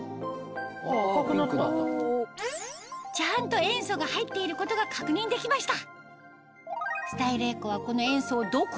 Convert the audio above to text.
ちゃんと塩素が入っていることが確認できました